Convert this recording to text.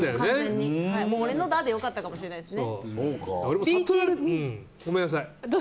俺のだで良かったかもしれないですね。